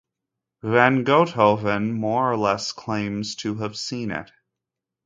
Van Gouthoeven more or less claims to have seen it.